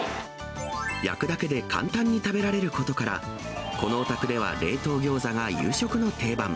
焼くだけで簡単に食べられることから、このお宅では冷凍ギョーザが夕食の定番。